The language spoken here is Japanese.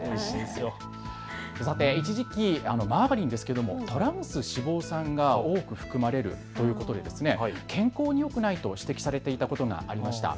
一時期、マーガリン、トランス脂肪酸が多く含まれるということで健康によくないと指摘されたことがありました。